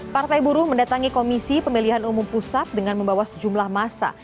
partai buruh mendatangi komisi pemilihan umum pusat dengan membawa sejumlah masa